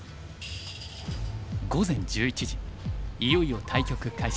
午前１１時いよいよ対局開始。